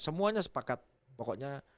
semuanya sepakat pokoknya